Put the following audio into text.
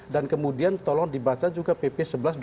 dan kemudian tolong dibaca juga pp sebelas dua ribu tujuh belas